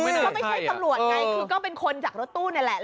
ก็ไม่ใช่ตำรวจไงคือก็เป็นคนจากรถตู้นี่แหละ